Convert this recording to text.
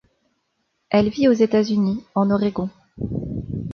Elle vit aux États-Unis, en Oregon.